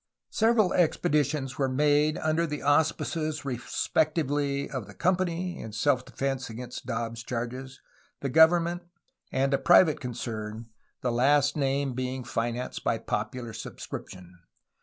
Several expe ditions were made under the auspices respectively of the company (in self defence against Dobbs' charges), the gov ernment, and a private concern, the last named being financed by popular subscription.